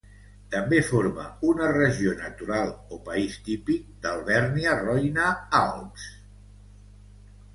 També forma una regió natural o país típic d'Alvèrnia-Roine-Alps.